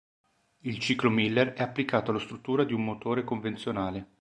Il ciclo Miller è applicato alla struttura di un motore convenzionale.